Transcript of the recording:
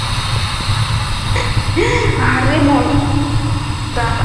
রিওতে ব্রিটিশদের এমন দুর্দান্ত সাফল্য এসেছে জনগণের করের টাকা যথাযথ ব্যবহারের কারণে।